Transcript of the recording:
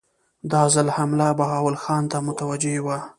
دا ځل حمله بهاول خان ته متوجه وه.